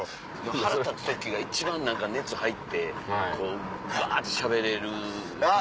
腹立つ時が一番何か熱入ってばってしゃべれる時あるよね。